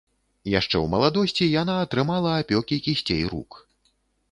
Яшчэ ў маладосці яна атрымала апёкі кісцей рук.